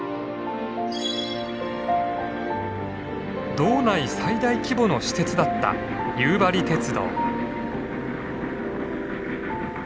道内最大規模の私鉄だった夕張鉄道。